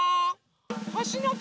ほしのこ。